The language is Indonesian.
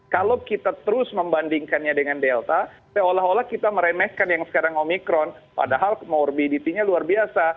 kalau kita terus membandingkannya dengan delta seolah olah kita meremehkan yang sekarang omikron padahal komorbidity nya luar biasa